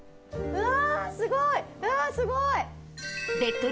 うわすごい！